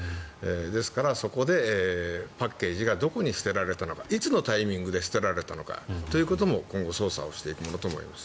ですから、そこでパッケージがどこに捨てられたのかいつのタイミングで捨てられたのかということも今後、捜査をしていくものと思います。